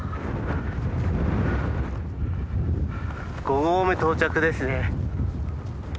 五合目到着ですね。